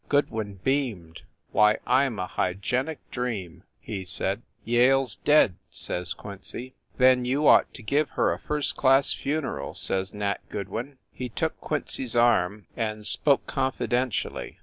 Goodwin beamed. "Why, I m a hygienic dream!" he said. "Yale s dead !" says Quincy. "Then you ought to give her a first class fu neral," says Nat Goodwin. He took Quincy s arm and spoke confidentially.